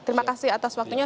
terima kasih atas waktunya